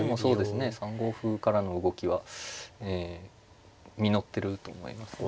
３五歩からの動きは実ってると思いますね。